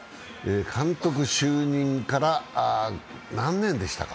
監督就任から何年でしたか？